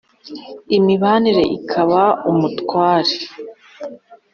imibanire ikaba umutware